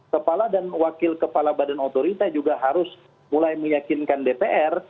kepala dan wakil kepala badan otorita juga harus mulai meyakinkan dpr